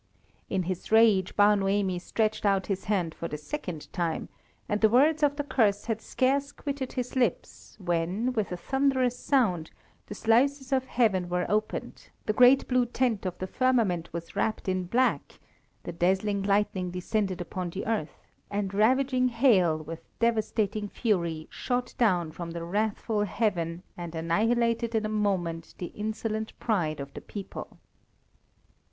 In his rage, Bar Noemi stretched out his hand for the second time, and the words of the curse had scarce quitted his lips when, with a thunderous sound, the sluices of heaven were opened; the great blue tent of the firmament was wrapped in black; the dazzling lightning descended upon the earth, and ravaging hail, with devastating fury, shot down from the wrathful heaven and annihilated in a moment the insolent pride of the people.